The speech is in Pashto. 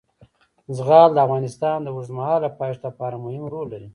زغال د افغانستان د اوږدمهاله پایښت لپاره مهم رول لري.